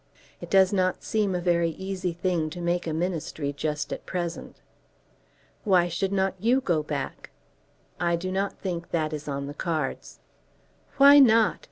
It does not seem a very easy thing to make a Ministry just at present." "Why should not you go back?" "I do not think that is on the cards." "Why not?